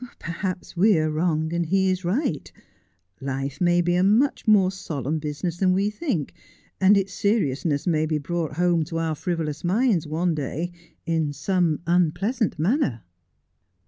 ' Perhaps we are wrong and he is right. Life may be a much more solemn business than we think, and its seriousness may be brought home to our frivolous minds one day in some unpleasant manner.'